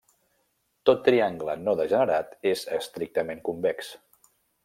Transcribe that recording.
Tot triangle no degenerat és estrictament convex.